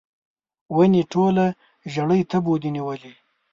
ونې ټوله ژړۍ تبو دي نیولې